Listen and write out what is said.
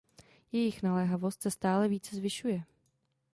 Jejich naléhavost se stale více zvyšuje.